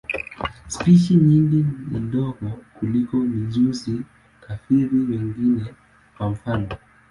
Spishi nyingi ni ndogo kuliko mijusi-kafiri wengine, kwa mfano.